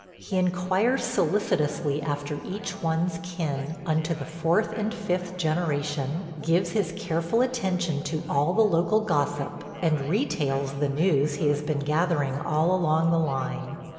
He inquires solicitously after each one's kin unto the fourth and fifth generation, gives his careful attention to all the local gossip, and retails the news he has been gathering all along the line.